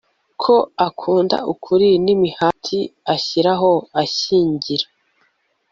ko akunda ukuri, n'imihati ashyiraho ashyigikira